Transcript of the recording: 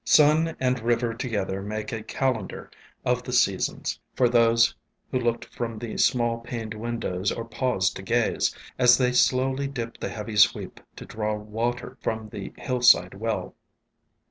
Sun and river together made a calendar of the seasons for those who looked from the small paned windows or paused to gaze, as they slowly dipped the heavy sweep to draw water from the hillside well.